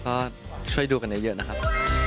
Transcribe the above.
ก็ช่วยดูกันเยอะนะครับ